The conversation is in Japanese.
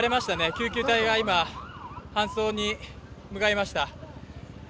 救急隊が今、搬送に向かいました。